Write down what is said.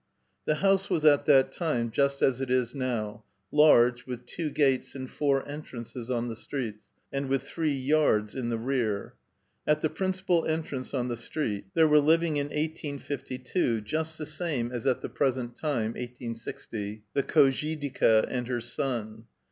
The house was at that time just as it is now, large, with two gates and four entrances on the streets, and with three yards {dvors) in the rear. At the principal entrance on the street, on the heUtage^ there were living in 1852, just the same as at the present time (1860), the khozyd'lka and her son.